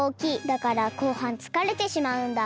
だからこうはんつかれてしまうんだ。